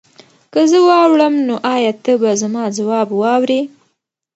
که زه واوړم نو ایا ته به زما ځواب واورې؟